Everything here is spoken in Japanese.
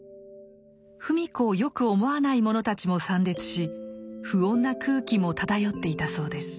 芙美子をよく思わない者たちも参列し不穏な空気も漂っていたそうです。